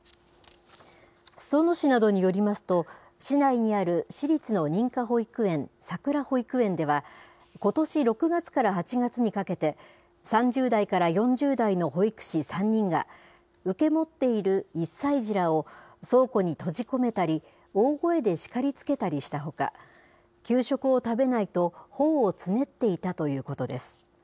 裾野市などによりますと、市内にある私立の認可保育園、さくら保育園では、ことし６月から８月にかけて、３０代から４０代の保育士３人が、受け持っている１歳児らを、倉庫に閉じ込めたり、大声で叱りつけたりしたほか、給食を食べないとほおをつねっていたということです。